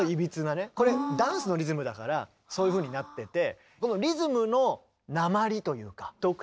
これダンスのリズムだからそういうふうになってて。